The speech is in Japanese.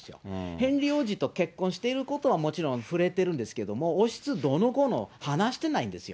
ヘンリー王子と結婚していることは、もちろん触れてるんですけども、王室どうのこうの、話してないんですよ。